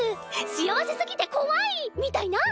幸せすぎて怖い！みたいな。